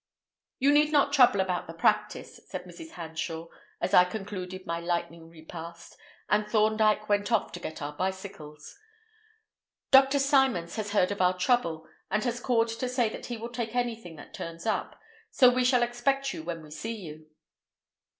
"You need not trouble about the practice," said Mrs. Hanshaw, as I concluded my lightning repast, and Thorndyke went off to get our bicycles. "Dr. Symons has heard of our trouble, and has called to say that he will take anything that turns up; so we shall expect you when we see you."